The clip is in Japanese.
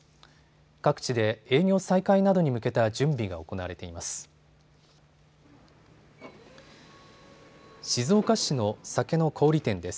各地で営業再開などに向けた準備が行われています。